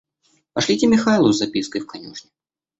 Пошлите Михайлу с запиской в конюшни.